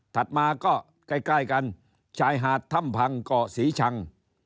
ถัดมาก็ใกล้ใกล้กันชายหาดทำพังเกาะศรีชัง